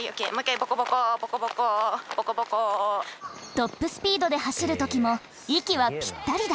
トップスピードで走る時も息はピッタリだ。